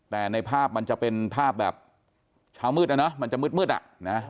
แต่ในภาพมันจะเป็นภาพแบบเช้ามืดอ่ะเนอะมันจะมืดอ่ะนะ